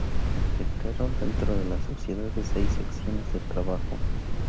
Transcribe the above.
Se crearon dentro de la sociedad seis secciones de trabajo.